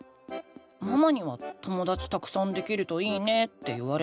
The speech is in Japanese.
ママには「ともだちたくさんできるといいね」って言われたけど。